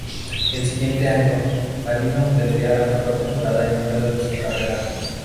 El siguiente año, Marino obtendría la mejor temporada en números de su carrera.